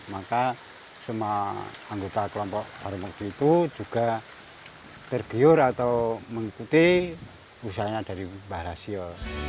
maka semua anggota kelompok bareng mukti itu juga tergiur atau mengikuti usahanya dari pak lasio